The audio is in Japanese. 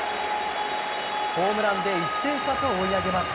ホームランで１点差と追い上げます。